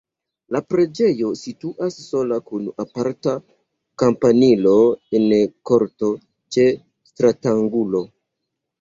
La preĝejo situas sola kun aparta kampanilo en korto ĉe stratangulo.